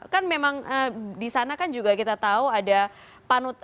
kan memang di sana kan juga kita tahu ada panutan